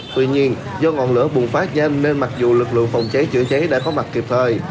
tuy nhiên do ngọn lửa bùng phát nhanh nên mặc dù lực lượng phòng cháy chữa cháy đã có mặt kịp thời